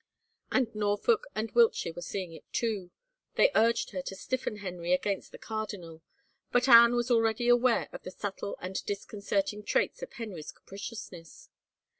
And Norfolk and Wiltshire were seeing it, too. They urged her to stiffen Henry against the cardinal. But Anne was already aware of the subtle and disconcert ing traits of Henry's capriciousness.